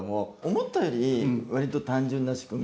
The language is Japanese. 思ったより割と単純な仕組みでしたよね。